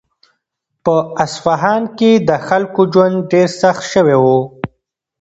په اصفهان کې د خلکو ژوند ډېر سخت شوی و.